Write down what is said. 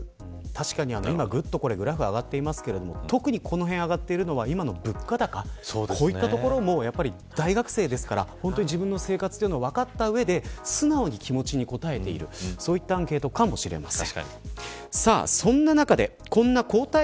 そこの影響が確かに今ぐっとグラフが上がっていますが特にこのへんで上がっているのは今の物価高といったところも大学生ですから自分の生活を分かった上で素直に気持ちに応えているそういったアンケートかもしれません。